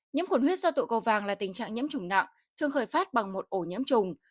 nhiễm khuẩn huyết do tụi cầu vàng là tình trạng nhiễm chủng nặng thường khởi phát bằng một ổ nhiễm trùng